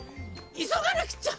いそがなくちゃ！